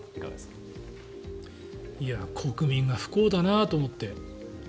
国民が不幸だなと思って。